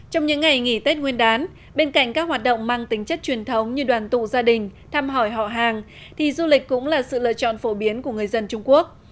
trong những ngày nghỉ tết nguyên đán bên cạnh các hoạt động mang tính chất truyền thống như đoàn tụ gia đình thăm hỏi họ hàng thì du lịch cũng là sự lựa chọn phổ biến của người dân trung quốc